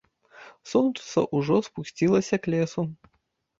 Сонца ўжо спусцілася к лесу.